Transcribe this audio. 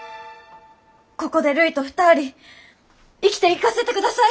ここでるいと２人生きていかせてください！